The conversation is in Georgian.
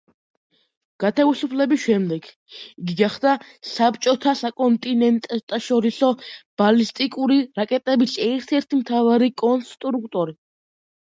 გათავისუფლების შემდეგ იგი გახდა საბჭოთა საკონტინენტთაშორისო ბალისტიკური რაკეტების ერთ-ერთი მთავარი კონსტრუქტორი.